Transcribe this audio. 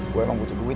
gua emang butuh duit